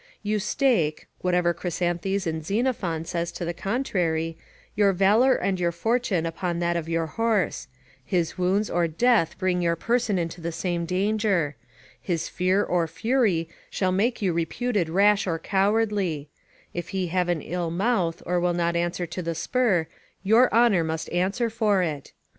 You stake (whatever Chrysanthes in Xenophon says to the contrary) your valour and your fortune upon that of your horse; his wounds or death bring your person into the same danger; his fear or fury shall make you reputed rash or cowardly; if he have an ill mouth or will not answer to the spur, your honour must answer for it.